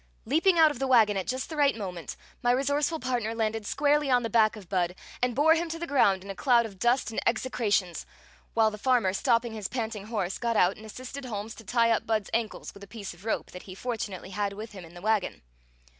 Leaping out of the wagon at just the right moment, my resourceful partner landed squarely on the back of Budd, and bore him to the ground in a cloud of dust and execrations, while the farmer, stopping his panting horse, got out and assisted Holmes to tie up Budd's ankles with a piece of rope that he fortunately had with him in the wagon.